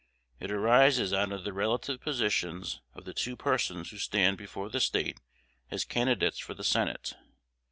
It arises out of the relative positions of the two persons who stand before the State as candidates for the Senate.